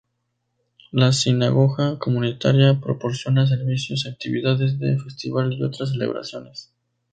La sinagoga comunitaria proporciona servicios, actividades de festival y otras celebraciones.